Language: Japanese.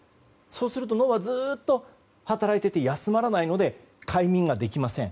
そうすると脳がずっと休まらないので快眠ができません。